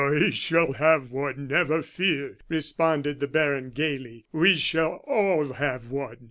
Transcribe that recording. "I shall have one, never fear!" responded the baron, gayly. "We shall all have one."